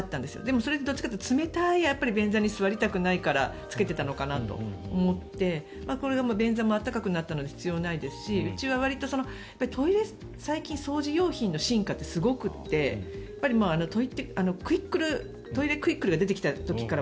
それ、どっちかというと冷たい便座に座りたくないからつけていたのかなと思って便座も温かくなったので必要ないですしうちはわりと最近のトイレの掃除用品の進化ってすごくって、トイレクイックルが出てきた時から